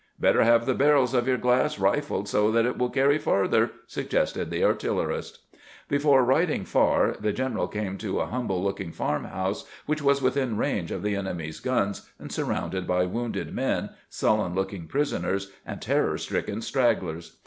" Better have the barrels of your glass rifled so that it will carry farther," suggested the artillerist. Before riding far the general came to a humble look ing farm house, which was within range of the enemy's guns, and surrounded by wounded men, sullen looking prisoners, and terror stricken stragglers.